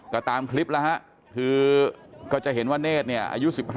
ก็ตามคลิปแล้วฮะคือก็จะเห็นว่าเนธเนี่ยอายุ๑๕